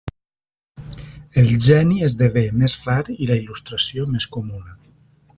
El geni esdevé més rar i la il·lustració més comuna.